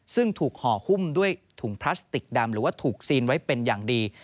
ซึ่งถูกห่อหุ้มด้วยถุงพลาสติกดำหรือว่าถูกซีนไว้เป็นอย่างดี